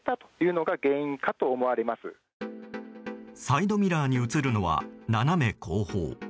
サイドミラーに映るのは斜め後方。